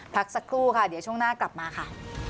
พักสักครู่ค่ะเดี๋ยวช่วงหน้ากลับมาค่ะ